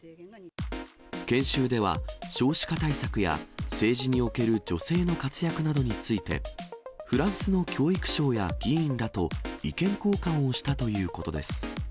研修では、少子化対策や政治における女性の活躍などについて、フランスの教育省や議員らと、意見交換をしたということです。